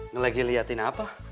ngelagi liatin apa